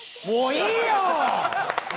もういいよ！